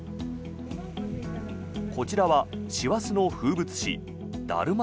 こちらは師走の風物詩だるま